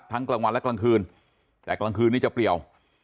กลางวันและกลางคืนแต่กลางคืนนี้จะเปลี่ยว